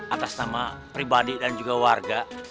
atas nama pribadi dan juga warga